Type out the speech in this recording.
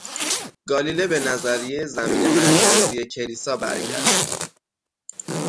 گالیله به نظریه زمین مرکزی کلیسا برگشت،